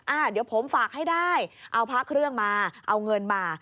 อ่ะเดี๋ยวผมฝากให้ได้เอาพระเครื่องมาเอาเงินมา